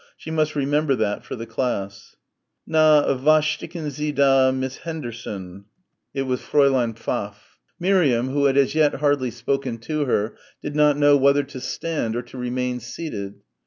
She must remember that for the class. "Na, was sticken Sie da Miss Henderson?" It was Fräulein Pfaff. Miriam who had as yet hardly spoken to her, did not know whether to stand or to remain seated.